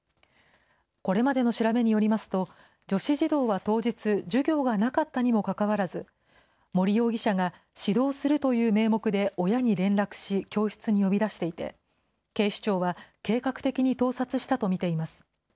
これまでの調べによりますと、女子児童は当日、授業がなかったにもかかわらず、森容疑者が指導するという名目で親に連絡し教室に呼び出していて、警視庁は、計画的に盗撮したと見ています。